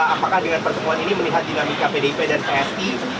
apakah dengan pertemuan ini melihat dinamika pdip dan psi